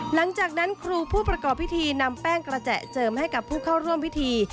หลังจากนั้นครูผู้ประกอบพิธีนำแป้งกระแจเจิมให้กับผู้เข้าร่วมพิธี